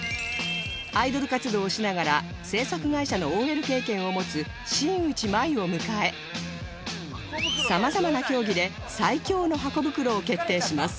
アイドル活動をしながら制作会社の ＯＬ 経験を持つ新内眞衣を迎え様々な競技で最強のハコ袋を決定します